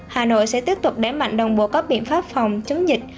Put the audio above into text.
hà nội sẽ tiếp tục đếm mạnh đồng bộ các biện pháp phòng chứng dịch